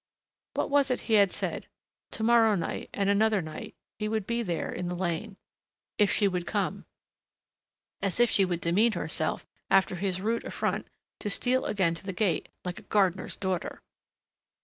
What was it he had said? To morrow night, and another night, he would be there in the lane.... If she would come! As if she would demean herself, after his rude affront, to steal again to the gate, like a gardener's daughter